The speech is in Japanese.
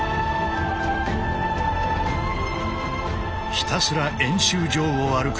ひたすら円周上を歩く